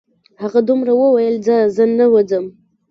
هغه همدومره وویل: ځه زه نه وځم.